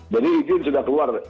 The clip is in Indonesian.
jadi izin sudah keluar